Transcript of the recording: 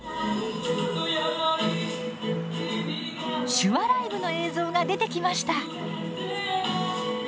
「手話ライブ」の映像が出てきました。